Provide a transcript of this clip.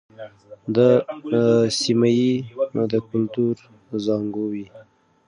دا سیمې د کلتور زانګو وې.